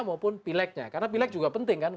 maupun pileknya karena pileg juga penting kan